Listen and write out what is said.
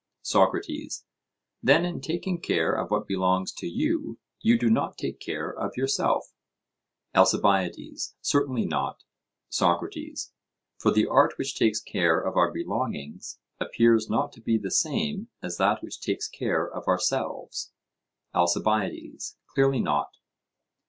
SOCRATES: Then in taking care of what belongs to you, you do not take care of yourself? ALCIBIADES: Certainly not. SOCRATES: For the art which takes care of our belongings appears not to be the same as that which takes care of ourselves? ALCIBIADES: Clearly not.